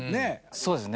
そうですね。